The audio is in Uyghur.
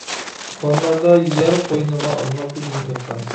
كونىلاردا «يەر قوينىغا ئالماپتۇ» دېگەن گەپ بار.